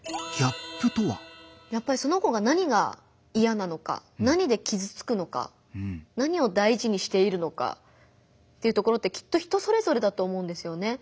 やっぱりその子が何が嫌なのか何できずつくのか何をだいじにしているのかっていうところってきっと人それぞれだと思うんですよね。